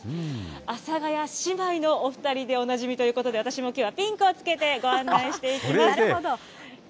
阿佐ヶ谷姉妹のお２人でおなじみということで、私もきょうはピンクをつけてご案内していきます。